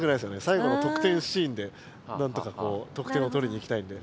さいごの得点シーンでなんとか得点を取りにいきたいんで。